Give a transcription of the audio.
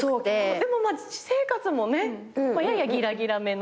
でもまあ私生活もねややギラギラめの。